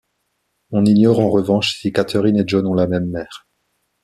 On ignore en revanche si Katherine et John ont la même mère.